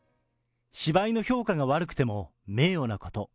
芝居の評価が悪くても名誉なこと。